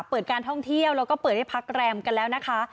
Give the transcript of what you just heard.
เปิดการท่องเที่ยวแล้วก็เปิดให้พักแรมกันแล้วนะคะ